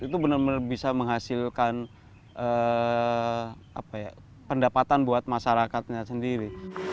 itu benar benar bisa menghasilkan pendapatan buat masyarakatnya sendiri